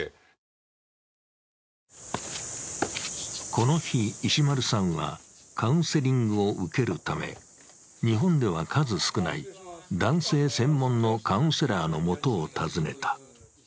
この日、石丸さんはカウンセリングを受けるため、日本では数少ない男性専門のカウンセラーのもとを訪ねた。